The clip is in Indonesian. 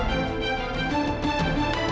kamu garis saya